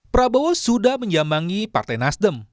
prabowo sudah menjambangi partai nasdem